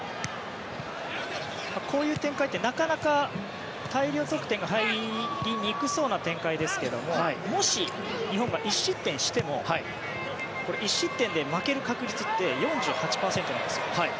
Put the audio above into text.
こういう展開ってなかなか大量得点が入りにくそうな展開ですけどもし、日本が１失点しても１失点で負ける確率って４８％なんです。